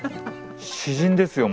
詩人ですよ